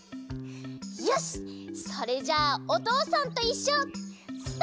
よしそれじゃあ「おとうさんといっしょ」スタート！